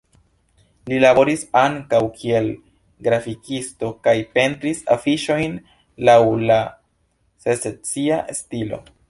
Li laboris ankaŭ kiel grafikisto kaj pentris afiŝojn laŭ la secesia stilo.